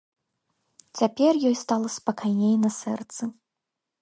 Цяпер ёй стала спакайней на сэрцы.